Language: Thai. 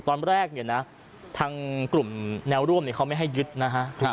ตอนแรกเนี่ยนะทางกลุ่มแนวร่วมเขาไม่ให้ยึดนะฮะ